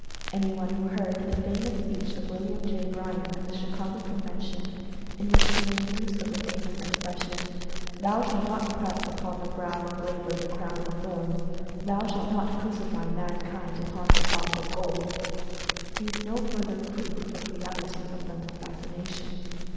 Anyone who heard the fa mous speech of Wm. J. Bryan, at the Chicago Conven tion, in which he made use of the famous expression : Story of Mental Fascination 31 "Thou shalt not press upon the brow of Labor the crown of thorns; thou shalt not crucify Mankind upon a Cross of Gold," needs no further proof of the reality of Mental Fascination.